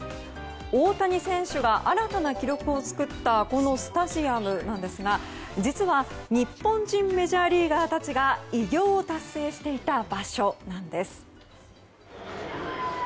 大谷選手が新たな記録を作ったこのスタジアムなんですが実は日本人メジャーリーガーたちが偉業を達成していた場所なんです。